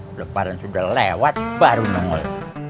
belum parah sudah lewat baru nongol